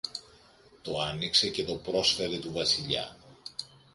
το άνοιξε και το πρόσφερε του Βασιλιά